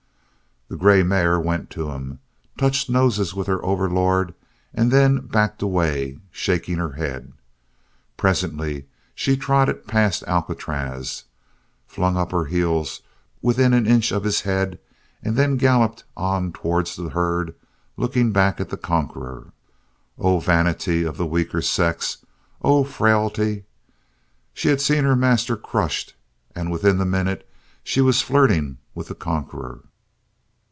The grey mare went to him, touched noses with her overlord, and then backed away, shaking her head. Presently she trotted past Alcatraz, flung up her heels within an inch of his head, and then galloped on towards the herd looking back at the conqueror. Oh vanity of the weaker sex; oh frailty! She had seen her master crushed and within the minute she was flirting with the conqueror.